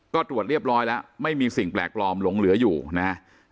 ก็ตรวจเรียบร้อยแล้วไม่มีสิ่งแปลกปลอมหลงเหลืออยู่นะครับ